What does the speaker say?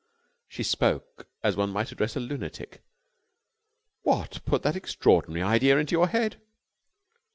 She spoke as one might address a lunatic. "What put that extraordinary idea into your head?"